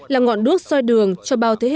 là ngọn đuốc xoay đường cho bao thế hệ